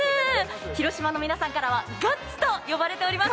広島の皆さんからは、ガッツと呼ばれています。